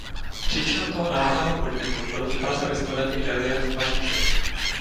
Příčinou toho náhlého podnětu byl v Praze vystavený reliéf Paříže.